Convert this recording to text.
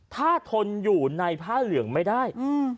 ถ้าทนอยู่ในผ้าเหลืองไม่ได้